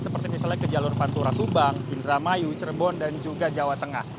seperti misalnya ke jalur pantura subang indramayu cirebon dan juga jawa tengah